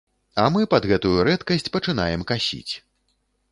А мы пад гэтую рэдкасць пачынаем касіць.